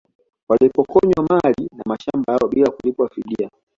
Walipokonywa mali na mashamba yao bila kulipwa fidia